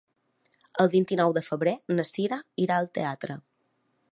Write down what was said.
El vint-i-nou de febrer na Sira irà al teatre.